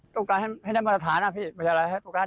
ต้องการให้ได้มาตรฐาน